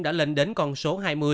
đã lên đến con số hai mươi